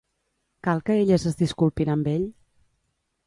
Cal que elles es disculpin amb ell?